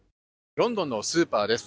ロンドンのスーパーです。